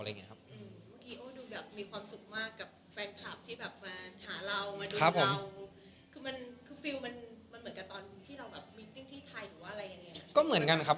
อะไรอย่างนี้ครับ